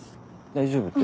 大丈夫って？